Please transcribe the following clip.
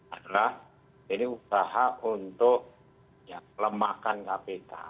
adalah ini upaha untuk yang lemahkan kpk